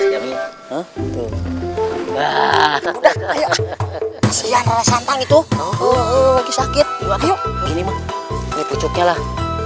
ya udah ayo siang santan itu lagi sakit yuk ini maksudnya lah